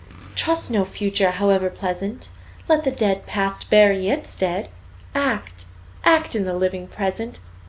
Trust no Future, howe'er pleasant! Let the dead Past bury its dead! Act act in the living Present.